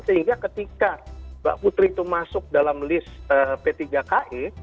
sehingga ketika mbak putri itu masuk dalam list p tiga ki